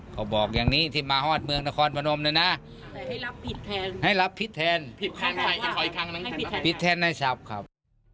ผิดแทนให้ชับ